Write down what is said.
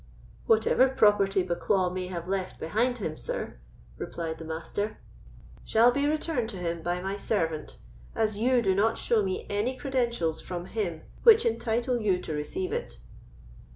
"Whatever property Bucklaw may have left behind him, sir," replied the Master, "shall be returned to him by my servant, as you do not show me any credentials from him which entitle you to receive it."